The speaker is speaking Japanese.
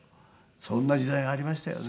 そんな時代がありましたよね。